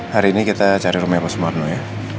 hari ini kita cari rumahnya pas marno ya